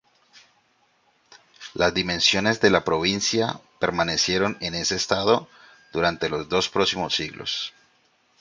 Las dimensiones de la provincia permanecieron en ese estado durante los dos próximos siglos.